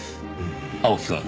青木くん。